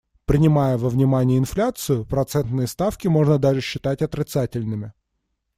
Принимая во внимание инфляцию, процентные ставки можно даже считать отрицательными.